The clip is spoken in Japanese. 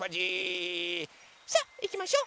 さあいきましょ！